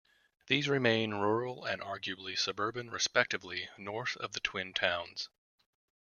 These remain rural and arguably suburban respectively north of the twin towns.